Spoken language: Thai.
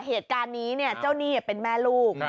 เหตุการณ์นี้เจ้าหนี้เป็นแม่ลูก